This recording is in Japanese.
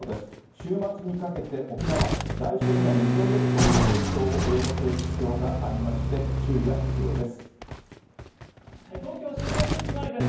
週末にかけて沖縄、来週には日本列島にも影響を及ぼす影響がありまして、東京・新橋駅前です。